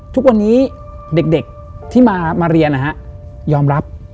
ทุกวันนี้เด็กที่มาเรียนนะฮะยอมรับ